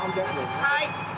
はい。